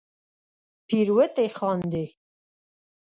پیروتې خاندې